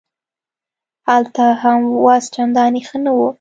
هلته هم وضع چندانې ښه نه وه.